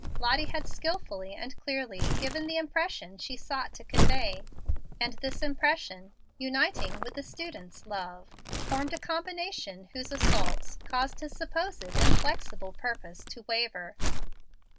Lottie had skilfully and clearly given the impression she sought to convey; and this impression, uniting with the student's love, formed a combination whose assaults caused his supposed inflexible purpose to waver.